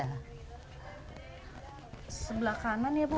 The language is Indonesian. sebelah kanan ya bu